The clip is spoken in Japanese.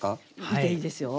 見ていいですよ。